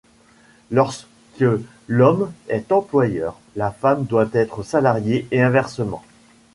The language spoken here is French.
Lorsque l’homme est employeur, la femme doit être salariée et inversement.